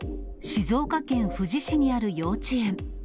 静岡県富士市にある幼稚園。